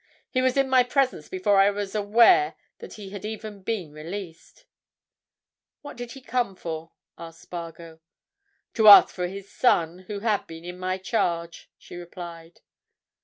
He was in my presence before I was aware that he had even been released." "What did he come for?" asked Spargo. "To ask for his son—who had been in my charge," she replied.